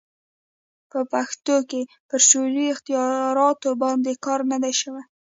په پښتو کښي پر شعري اختیاراتو باندي کار نه دئ سوى.